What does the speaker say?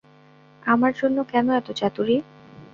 আমার জন্য কেন এত চাতুরী।